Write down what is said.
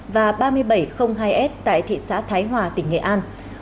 và ba nghìn bảy trăm linh hai s tại thị xã thái hòa tỉnh nghệ an